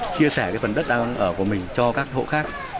chia sẻ cái phần đất đang ở của mình cho các hộ khác